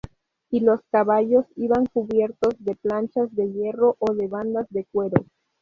Y los caballos iban cubiertos de planchas de hierro o de bandas de cuero.